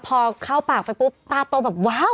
พอเข้าปากไปปุ๊บตาโตแบบว้าว